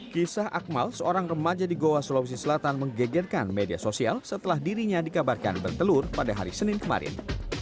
kisah akmal seorang remaja di goa sulawesi selatan menggegerkan media sosial setelah dirinya dikabarkan bertelur pada hari senin kemarin